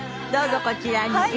どうぞこちらに。